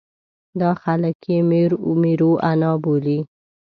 دا خلک یې مېروانا بولي.